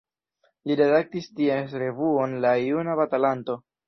Li redaktis ties revuon La Juna Batalanto.